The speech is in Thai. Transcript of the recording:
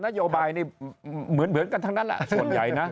นโยบายนี่เหมือนกันทั้งนั้นแหละส่วนใหญ่นะ